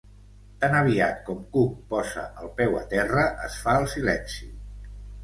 Tan aviat com Cook posa el peu a terra es fa el silenci.